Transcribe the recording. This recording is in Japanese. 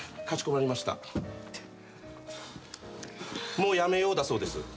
「もうやめよう」だそうです。